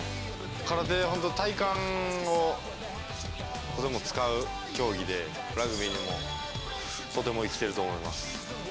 空手、本当、体幹をとても使う競技で、ラグビーにもとても生きていると思います。